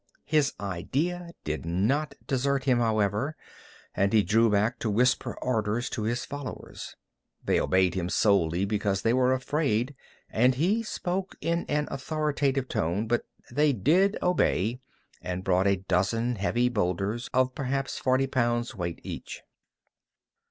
His idea did not desert him, however, and he drew back, to whisper orders to his followers. They obeyed him solely because they were afraid, and he spoke in an authoritative tone, but they did obey, and brought a dozen heavy boulders of perhaps forty pounds weight each.